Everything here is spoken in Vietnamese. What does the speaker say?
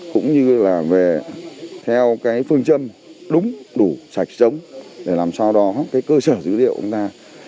cũng như là về theo cái phương châm đúng đủ sạch sống để làm sao đó cái cơ sở dữ liệu của chúng ta